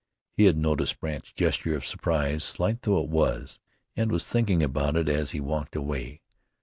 He had noticed Brandt's gesture of surprise, slight though it was, and was thinking about it as he walked away.